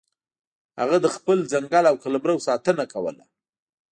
هغه د خپل ځنګل او قلمرو ساتنه کوله.